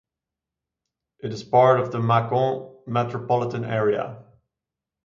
It is part of the Macon Metropolitan Area.